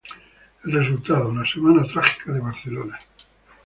El resultado: la Semana Trágica de Barcelona.